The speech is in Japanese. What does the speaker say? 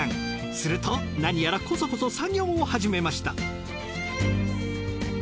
すると何やらこそこそ作業を始めました。